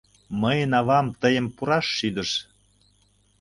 — Мыйын авам тыйым пураш шӱдыш.